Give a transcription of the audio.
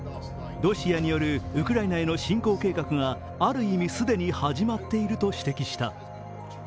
ロシアによるウクライナへの侵攻計画がある意味、既に始まっていると指摘した。